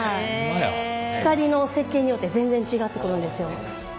光の設計によって全然違ってくるんですよ。